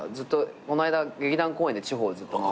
この間劇団公演で地方ずっと回ってて。